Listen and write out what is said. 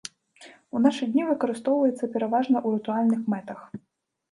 У нашы дні выкарыстоўваецца пераважна ў рытуальных мэтах.